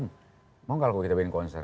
mau gak kalau kita bikin konser